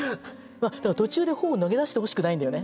途中で本を投げ出してほしくないんだよね。